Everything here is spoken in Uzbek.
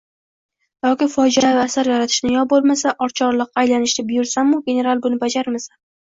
yoki fojiaviy asar yaratishni, yo bo‘lmasa, oqchorloqqa aylanishni buyursam-u, general buni bajarmasa